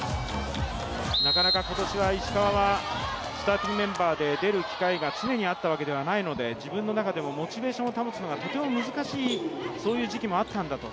なかなか今年は、石川はスターティングメンバーで出る機会が常にあったわけではないので自分の中でもモチベーションを保つのがとても難しい時期もあったんだと。